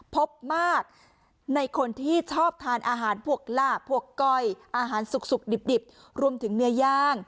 พบมากในคนที่ชอบทานอาหารพวกลาพวกก้อย